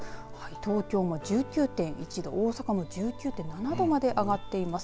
東京も１９．１度大阪も１９．７度まで上がっています。